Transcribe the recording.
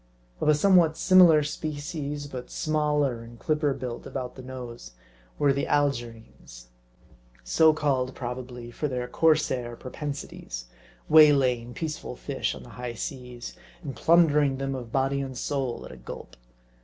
Of a somewhat similar species, but smaller, and clipper built about the nose, were the Algerines ; so called, probably, 58 M A R D I. from their corsair propensities ; waylaying peaceful fish on the high seas, and plundering them of body and soul at a gulp.